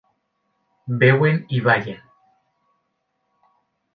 Beuen i ballen.